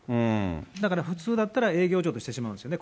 だから普通だったら、としてしまうんですよね。